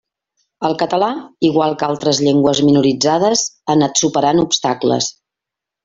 El català, igual que altres llengües minoritzades, ha anat superant obstacles.